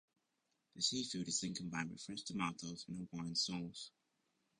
The seafood is then combined with fresh tomatoes in a wine sauce.